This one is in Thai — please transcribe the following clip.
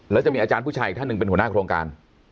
แล้วจะมีอาจารย์ผู้ชายอีกท่านหนึ่งเป็นหัวหน้าโครงการ